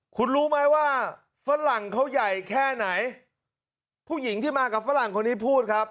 คุณรู้ไหมว่าฝรั่งเขาใหญ่แค่ไหนผู้หญิงที่มากับฝรั่งคนนี้พูดครับ